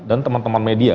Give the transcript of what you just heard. dan teman teman media